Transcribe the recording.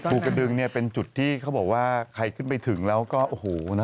ภูกระดึงเนี่ยเป็นจุดที่เขาบอกว่าใครขึ้นไปถึงแล้วก็โอ้โหนะ